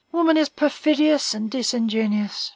Woman is perfidious and disingenuous.